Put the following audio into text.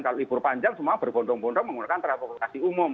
kalau libur panjang semua berbondong bondong menggunakan transportasi umum